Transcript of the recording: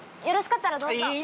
よろしかったらどうぞ。